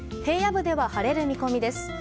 平野部では晴れる見込みです。